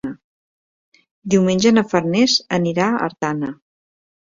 Diumenge na Farners anirà a Artana.